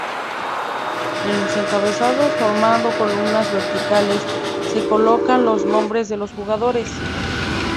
En los encabezados, formando columnas verticales, se colocan los nombres de los jugadores.